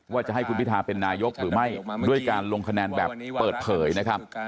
ว่าจะให้คุณพิทาเป็นนายกหรือไม่ด้วยการลงคะแนนแบบเปิดเผยนะครับ